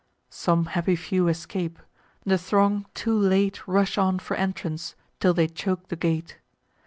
Some happy few escape: the throng too late Rush on for entrance, till they choke the gate.